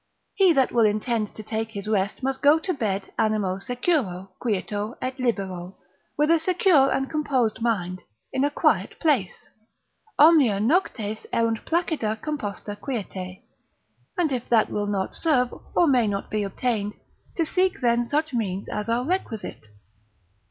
He that will intend to take his rest must go to bed animo securo, quieto et libero, with a secure and composed mind, in a quiet place: omnia noctes erunt placida composta quiete: and if that will not serve, or may not be obtained, to seek then such means as are requisite.